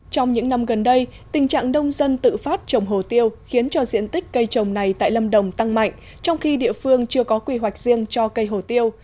trong những năm gần đây tình trạng nông dân tự phát trồng hồ tiêu khiến cho diện tích cây trồng này tại lâm đồng tăng mạnh trong khi địa phương chưa có quy hoạch riêng cho cây hồ tiêu